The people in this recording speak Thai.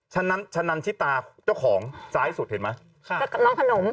ชะนันชิตาเจ้าของซ้ายสุดเห็นไหม